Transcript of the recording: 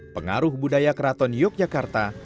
pengaruh budaya keraton yogyakarta